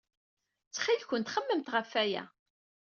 Ttxil-wen, xemmemet ɣef waya.